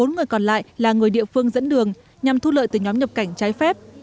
bốn người còn lại là người địa phương dẫn đường nhằm thu lợi từ nhóm nhập cảnh trái phép